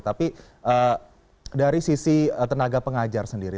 tapi dari sisi tenaga pengajar sendiri